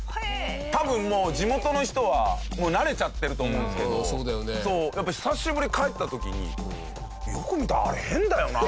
多分もう地元の人は慣れちゃってると思うんですけどやっぱ久しぶりに帰った時によく見たらあれ変だよな